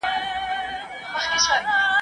له زمري پاچا یې وکړله غوښتنه ..